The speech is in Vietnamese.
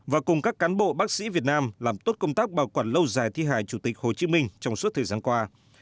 và cùng các cán bộ bác sĩ việt nam làm tốt công tác bảo quản lâu dài thi hài chủ tịch hồ chí minh trong suốt thời gian qua